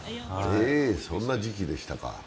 そんな時期でしたか。